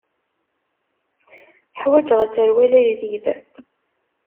Ḥwaǧeɣ aserwal ajdid.